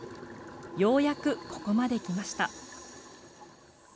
ようやくここまで来ました。